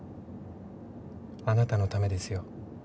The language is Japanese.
あなたのためですよ。